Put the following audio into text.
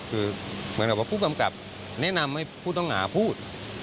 คือเหมือนแบบว่าผู้กำกับแนะนำให้ผู้ต้องหาพูด